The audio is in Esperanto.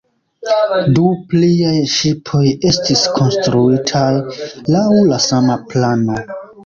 Du pliaj ŝipoj estis konstruitaj laŭ la sama plano.